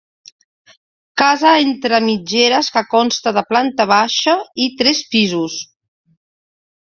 Casa entre mitgeres que consta de planta baixa i tres pisos.